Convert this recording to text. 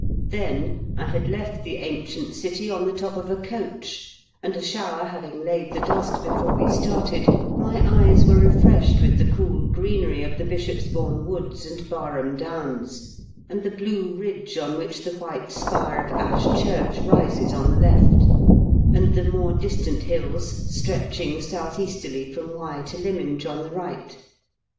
Then I had left the ancient city on the top of a coach, and, a shower having laid the dust before we started, my eyes were refreshed with the cool greenery of the Bishopsbourne Woods and Barham Downs, and the blue ridge on which the white spire of Ash Church rises on the left, and the more distant hills stretching south easterly 178 IN KENT WITH 0EABLE8 DIGKENS. from Wye to Lyminge on the right.